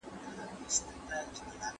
کېدای سي درسونه اوږده وي!